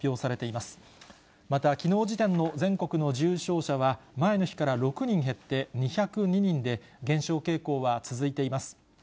またきのう時点の全国の重症者は、前の日から６人減って２０２人で、減少傾向は続いています。